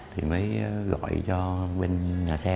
thì mới gọi cho bên nhà xe